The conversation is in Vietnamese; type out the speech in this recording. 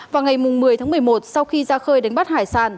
vào ngày một mươi tháng một mươi một sau khi ra khơi đánh bắt hải sản